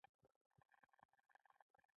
موږ کور ته هره ورځ ځو.